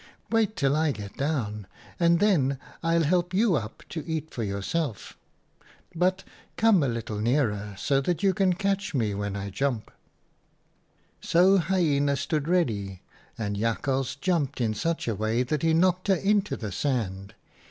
Wait till I get down, and then I'll help you up to eat for yourself. But come a little nearer so that you can catch me when I jump.' " So Hyena stood ready, and Jakhals jumped in such a way that he knocked her into the sand.